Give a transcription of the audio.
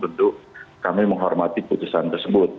tentu kami menghormati putusan tersebut